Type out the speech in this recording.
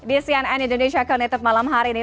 di sian and indonesia connected malam hari ini